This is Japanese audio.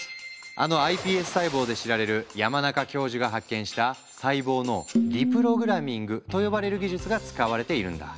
あのｉＰＳ細胞で知られる山中教授が発見した細胞のリプログラミングと呼ばれる技術が使われているんだ。